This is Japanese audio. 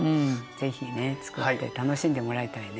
是非ねつくって楽しんでもらいたいね。